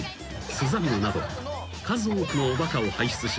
スザンヌなど数多くのおバカを輩出し］